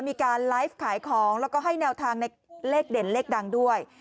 มีการไลฟ์ขายของแล้วก็ให้แนวทางในเลขเด่นเลขดังด้วย